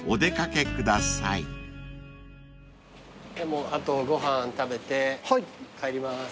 もうあとご飯食べて帰ります。